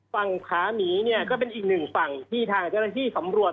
ฝั่งผาหมีเนี่ยก็เป็นอีกหนึ่งฝั่งที่ทางเจ้าหน้าที่สำรวจ